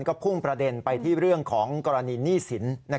ก็พุ่งประเด็นไปที่เรื่องของกรณีหนี้สิน